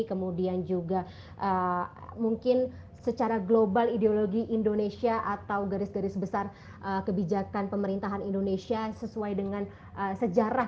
kemudian juga mungkin secara global ideologi indonesia atau garis garis besar kebijakan pemerintahan indonesia sesuai dengan sejarah